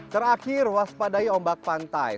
terakhir waspadai ombak pantai